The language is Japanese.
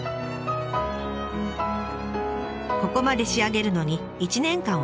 ここまで仕上げるのに１年間を要しました。